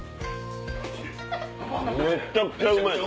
めっちゃくちゃうまいです。